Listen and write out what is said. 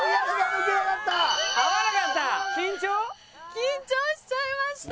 緊張しちゃいました。